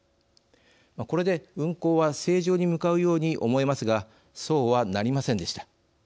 これで運行は正常に向かうように思えますがそうはなりませんでした。